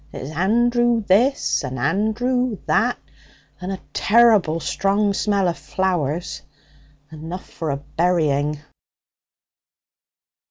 It's Andrew this and Andrew that, and a terrible strong smell of flowers enough for a burying.'